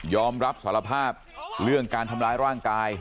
อมรับสารภาพเรื่องการทำร้ายร่างกาย